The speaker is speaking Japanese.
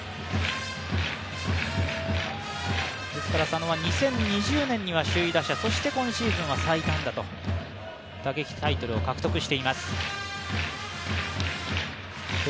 佐野は２０２０年には首位打者、そして今シーズンは最多安打と打撃タイトルを獲得しています。